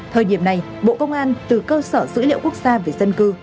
thời điểm này bộ công an từ cơ sở dữ liệu quốc gia về dân cư